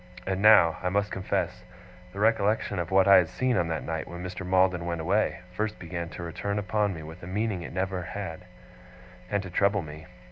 And now, I must confess, the recollection of what I had seen on that night when Mr. Maldon went away, first began to return upon me with a meaning it had never had, and to trouble me.